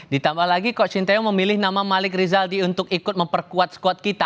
ditambah lagi coach sintayong memilih nama malik rizaldi untuk ikut memperkuat squad kita